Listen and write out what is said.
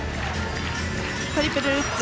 トリプルルッツ。